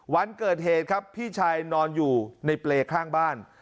วันเกิดเหตุครับพี่ชายนอนอยู่ในเปรย์ข้างบ้าน